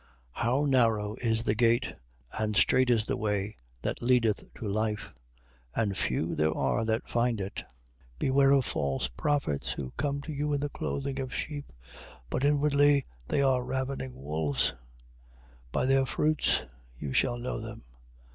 7:14. How narrow is the gate, and strait is the way that leadeth to life: and few there are that find it! 7:15. Beware of false prophets, who come to you in the clothing of sheep, but inwardly they are ravening wolves. 7:16. By their fruits you shall know them.